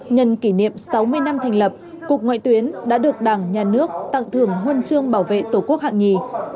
nhân kỷ niệm sáu mươi năm thành lập cục ngoại tuyến đã được đảng nhà nước tặng thưởng huân chương bảo vệ tổ quốc hạng nhì